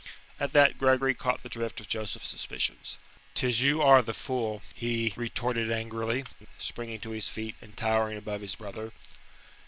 At that Gregory caught the drift of Joseph's suspicions. "Tis you are the fool," he retorted angrily, springing to his feet, and towering above his brother.